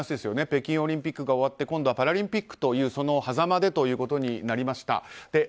北京オリンピックが終わって今度はパラリンピックでそのはざまでということになりました。